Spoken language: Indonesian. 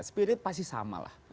spirit pasti sama lah